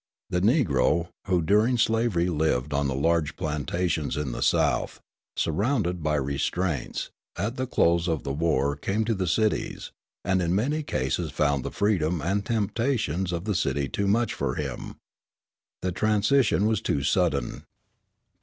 The Negro, who during slavery lived on the large plantations in the South, surrounded by restraints, at the close of the war came to the cities, and in many cases found the freedom and temptations of the city too much for him. The transition was too sudden.